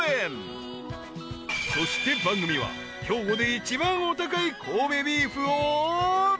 ［そして番組は兵庫で一番お高い神戸ビーフを］